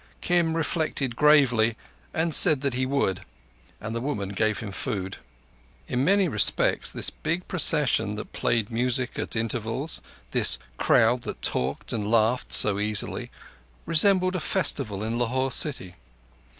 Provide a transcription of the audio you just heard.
Kim reflected gravely, and said that he would, and the woman gave him food. In many respects, this big procession that played music at intervals—this crowd that talked and laughed so easily—resembled a festival in Lahore city.